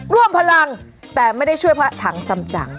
ร่วมพลังแต่ไม่ได้ช่วยพระถังสำจัง